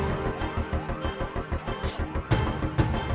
mulai sekarang kalian jauhin pangeran